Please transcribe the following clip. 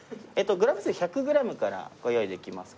グラム数１００グラムからご用意できますけれども。